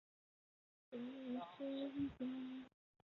包括和硕特汗国。